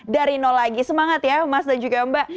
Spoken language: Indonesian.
dari nol lagi semangat ya mas dan juga mbak